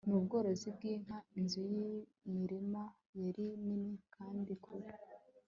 n'ubworozi bw'inka. inzu yimirima yari nini kandi kure